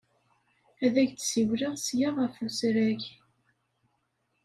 Ad ak-d-ssiwleɣ ssya ɣef usrag.